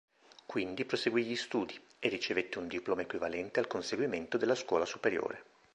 Quindi proseguì gli studi, e ricevette un diploma equivalente al conseguimento della scuola superiore.